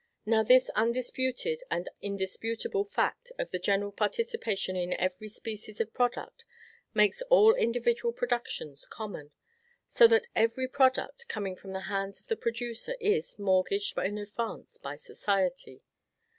Now, this undisputed and indisputable fact of the general participation in every species of product makes all individual productions common; so that every product, coming from the hands of the producer, is mortgaged in advance by society.